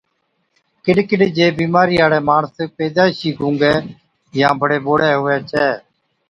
ڪِڏ ڪِڏ جي بِيمارِي هاڙَي ماڻس پيدائشِي گُونگَي يان بڙي ٻوڙَي هُوَي ڇَي